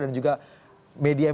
dan juga media media sosial